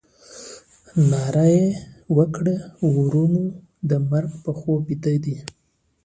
ناره یې وکړه ورونه د مرګ په خوب بیده دي.